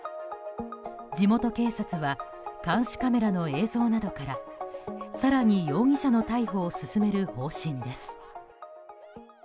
地元警察は監視カメラの映像などから更に容疑者の逮捕を進める方針です。